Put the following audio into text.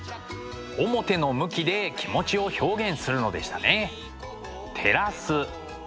面の向きで気持ちを表現するのでしたね。